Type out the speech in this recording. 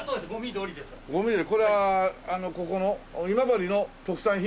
これはここの今治の特産品？